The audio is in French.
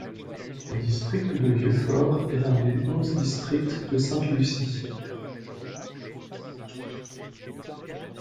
Le district de Vieux-Fort est l'un des onze districts de Sainte-Lucie.